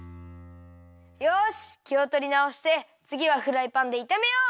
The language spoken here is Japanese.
よしきをとりなおしてつぎはフライパンでいためよう！